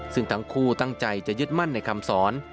ซึ่งทั้งคู่ตั้งใจจะยึดมั่นในคำสอน